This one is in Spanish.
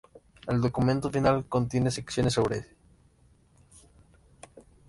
El documento final contiene secciones sobre